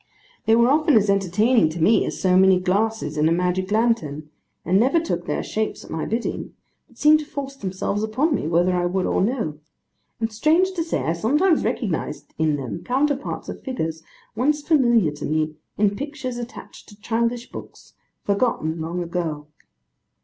They were often as entertaining to me as so many glasses in a magic lantern, and never took their shapes at my bidding, but seemed to force themselves upon me, whether I would or no; and strange to say, I sometimes recognised in them counterparts of figures once familiar to me in pictures attached to childish books, forgotten long ago.